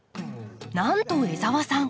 なんと江澤さん